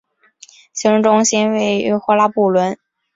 行政中心位于霍拉布伦。